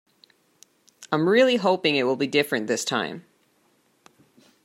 I'm really hoping it will be different this time.